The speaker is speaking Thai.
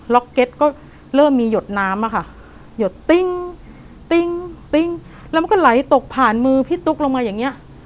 เก็ตก็เริ่มมีหยดน้ำอะค่ะหยดติ้งติ้งติ้งแล้วมันก็ไหลตกผ่านมือพี่ตุ๊กลงมาอย่างเงี้ย